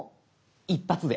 一発で。